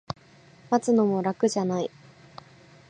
待つのも楽じゃない